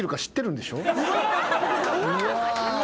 うわ！